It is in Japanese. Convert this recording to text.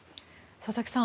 佐々木さん